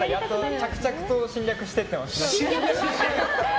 着々と侵略していってます。